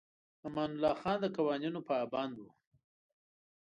امان الله خان د قوانینو پابند و.